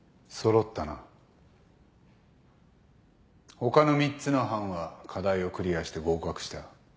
他の３つの班は課題をクリアして合格した。